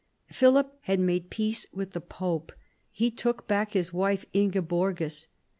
Philip had made peace with the pope : he took back his wife Ingeborgis.